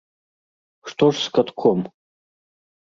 Што ж з катком?